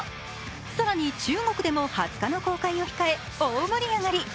更に、中国でも２０日の公開を控え、大盛り上がり。